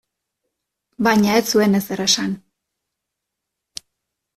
Baina ez zuen ezer esan.